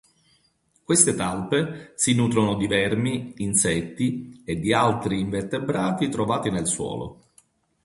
Queste talpe si nutrono di vermi, insetti e di altri invertebrati trovati nel suolo.